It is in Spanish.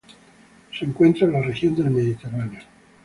Se encuentra en la región del Mediterráneo.